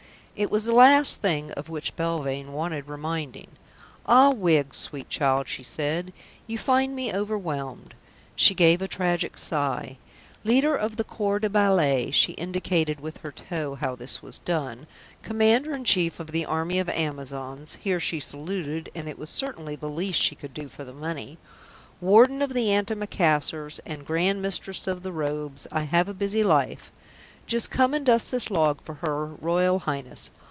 It was the last thing of which Belvane wanted reminding. "Ah, Wiggs, sweet child," she said, "you find me overwhelmed." She gave a tragic sigh. "Leader of the Corps de Ballet" she indicated with her toe how this was done, "Commander in Chief of the Army of Amazons" here she saluted, and it was certainly the least she could do for the money, "Warden of the Antimacassars and Grand Mistress of the Robes, I have a busy life. Just come and dust this log for her Royal Highness.